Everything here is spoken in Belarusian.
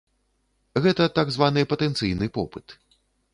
Гэта так званы патэнцыйны попыт.